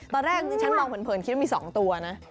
ตอนแรกดิฉันมองเผินคิดว่ามี๒ตัวนะ